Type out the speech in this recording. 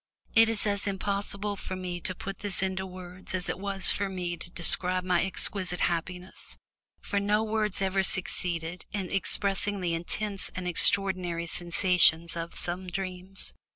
It is as impossible for me to put this into words as it was for me to describe my exquisite happiness, for no words ever succeed in expressing the intense and extraordinary sensations of some dreams.